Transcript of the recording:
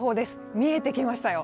見えてきましたよ。